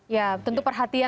ya tentu perhatianlah